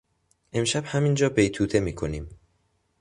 امشب همین جا بیتوته میکنیم.